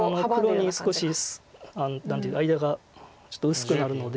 黒に少し何ていう間がちょっと薄くなるので。